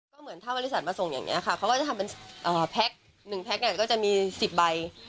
เค้าก็จะทำเป็นแพ็คหนึ่งแพ็คเนี่ยก็จะมีสิบใบ